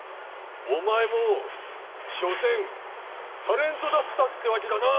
お前も所詮タレントだったってわけだなあ。